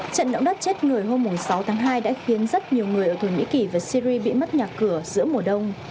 trận động đất chết người hôm sáu tháng hai đã khiến rất nhiều người ở thổ nhĩ kỳ và syri bị mất nhà cửa giữa mùa đông